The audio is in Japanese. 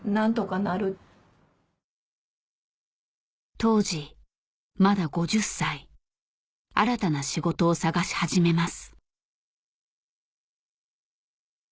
当時まだ５０歳新たな仕事を探し始めます